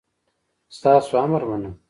ستاسو امر منم